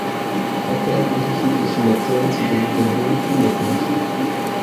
Auch werden unterschiedliche Lektionen zu denen der Hohen Schule gerechnet.